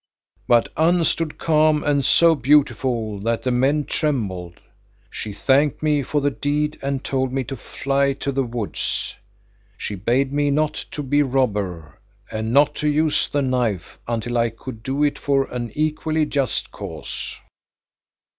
But Unn stood calm and so beautiful that the men trembled. She thanked me for the deed and told me to fly to the woods. She bade me not to be robber, and not to use the knife until I could do it for an equally just cause."